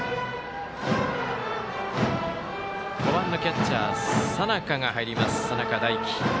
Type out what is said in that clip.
５番のキャッチャー、佐仲が入ります、佐仲大輝。